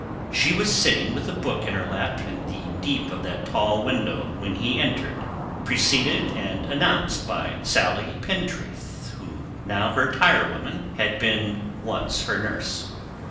She was sitting with a book in her lap in the deep of that tall window when he entered, preceded and announced by Sally Pentreath, who, now her tire woman, had once been her nurse.